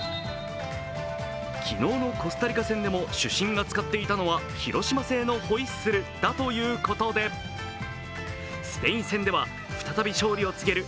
昨日のコスタリカ戦でも主審が使っていたのは広島製のホイッスルだということで、スペイン戦では再び勝利を告げる